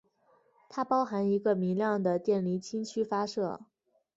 它包含一个明亮的电离氢区发射。